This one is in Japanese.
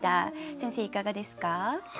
先生いかがですか？